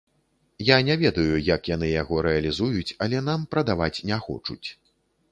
Я не ведаю, як яны яго рэалізуюць, але нам прадаваць не хочуць.